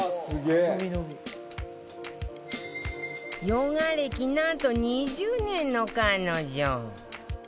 ヨガ歴、何と２０年の彼女。